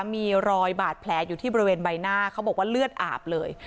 มีรอยบาดแผลอยู่ที่บริเวณใบหน้าเขาบอกว่าเลือดอาบเลย